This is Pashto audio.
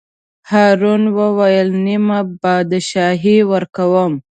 هارون وویل: نیمه بادشاهي ورکووم.